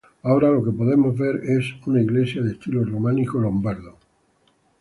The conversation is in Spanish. Ahora, lo que podemos ver es una iglesia de estilo románico lombardo.